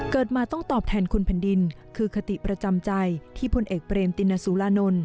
เกิดมาต้องตอบแทนคุณแผ่นดินคือคติประจำใจที่พลเอกเบรมตินสุรานนท์